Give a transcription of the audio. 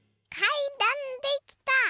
かいだんできた！